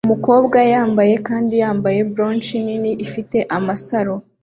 Umukobwa yambaye kandi yambaye broach nini ifite amasaro